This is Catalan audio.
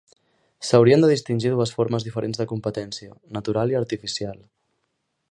S'haurien de distingir dues formes diferents de competència: natural i artificial.